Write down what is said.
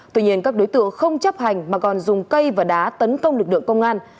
tuy nhiên các đối tượng không chấp hành mà còn dùng cây và đá tấn công lực lượng công an